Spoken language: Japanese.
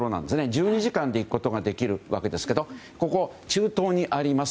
１２時間で行くことができるわけですけれどもここ、中東にあります